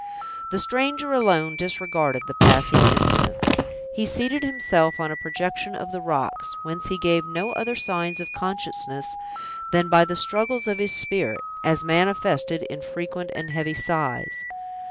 The stranger alone disregarded the passing incidents. He seated himself on a projection of the rocks, whence he gave no other signs of consciousness than by the struggles of his spirit, as manifested in frequent and heavy sighs.